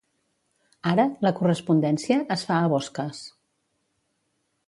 Ara, la correspondència es fa a Bosques.